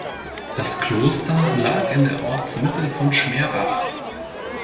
Das Kloster lag in der Ortsmitte von Schmerbach.